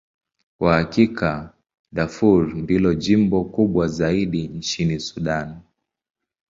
Kwa hakika, Darfur ndilo jimbo kubwa zaidi nchini Sudan.